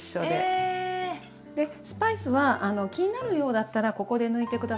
スパイスは気になるようだったらここで抜いて下さい。